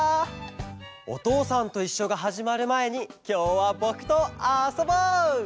「おとうさんといっしょ」がはじまるまえにきょうはぼくとあそぼう！